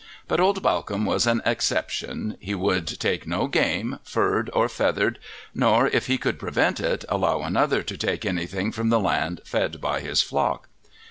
But old Bawcombe was an exception: he would take no game, furred or feathered, nor, if he could prevent it, allow another to take anything from the land fed by his flock.